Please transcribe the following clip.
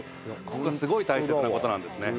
ここがすごい大切な事なんですね。